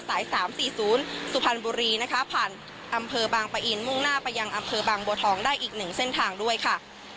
สาย๓๔๐สุพรรณบุรีนะคะผ่านอำเภอบางปะอินมุ่งหน้าไปยังอำเภอบางบัวทองได้อีกหนึ่งเส้นทางด้วยค่ะ